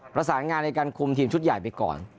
ประสานงานในการคุมทีมชุดใหญ่ไปก่อน